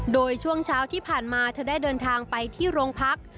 โดยช่วงเช้าที่ผ่านมาเธอได้เดินทางไปที่โรงพัก